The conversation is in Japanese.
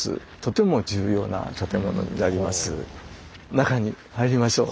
中に入りましょう。